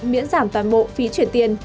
miễn giảm toàn bộ phí chuyển tiền